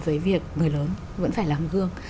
với việc người lớn vẫn phải làm gương